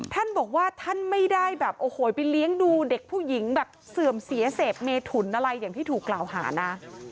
ท่านบอกว่าท่านไม่ได้แบบโอ้โหไปเลี้ยงดูเด็กผู้หญิงแบบเสื่อมเสียเสพเมถุนอะไรอย่างที่ถูกกล่าวหานะ